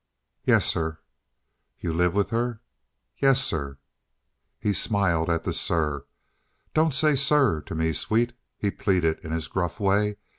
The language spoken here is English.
"Yes, sir." "You live with her?" "Yes, sir." He smiled at the "sir." "Don't say 'sir' to me, sweet!" he pleaded in his gruff way.